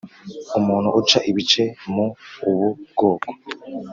umuntu uca ibice mu ubu bwoko